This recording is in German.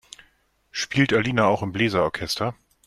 Spielt Alina auch im Bläser-Orchester?